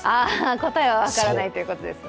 答えは分からないということですね。